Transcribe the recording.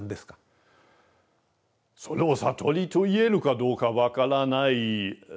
それを悟りと言えるかどうか分からないですね。